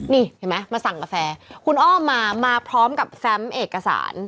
นี่เห็นไหมมาสั่งกาแฟคุณอ้อมมามาพร้อมกับแฟมเอกสาร